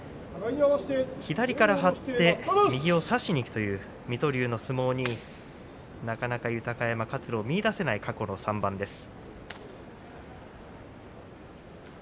左から張って右を差しにいくという水戸龍の相撲になかなか豊山、活路を見いだせない過去の３番です。